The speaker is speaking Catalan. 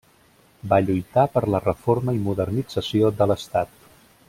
Va lluitar per la reforma i modernització de l'Estat.